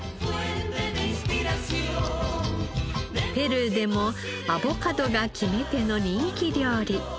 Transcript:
ペルーでもアボカドが決め手の人気料理。